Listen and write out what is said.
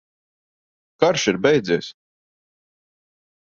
Karš ir beidzies!